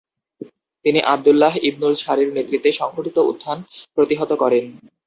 তিনি আবদুল্লাহ ইবনুল সারির নেতৃত্বে সংঘটিত উত্থান প্রতিহত করেন।